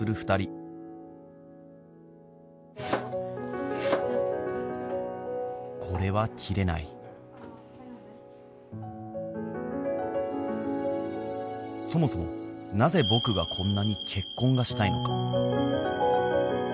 ２人これは斬れないそもそもなぜ僕がこんなに結婚がしたいのか。